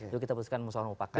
itu kita berikan masalah umpakan